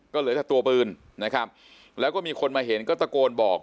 ก็เหลือแต่ตัวปืนนะครับแล้วก็มีคนมาเห็นก็ตะโกนบอก